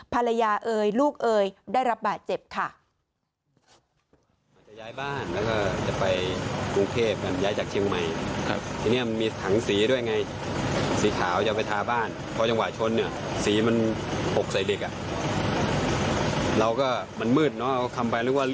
ภรรยาเอ่ยลูกเอยได้รับบาดเจ็บค่ะ